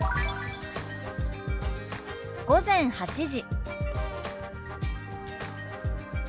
「午前８時」。